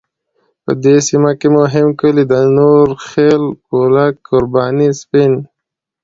په دې سیمه کې مهم کلی د نوره خیل، کولک، قرباني، سپین .